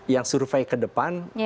yang survei ke depan